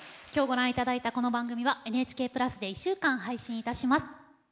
今日ご覧頂いたこの番組はＮＨＫプラスで１週間配信いたします。